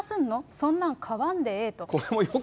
そんなん、買わんでええと。